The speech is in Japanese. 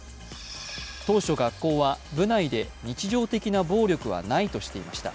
当初、学校は部内で日常的な暴力はないとしていました。